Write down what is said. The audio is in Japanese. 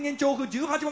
１８番